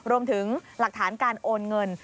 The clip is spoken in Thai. รวมถึงหลักฐานการโอนเงิน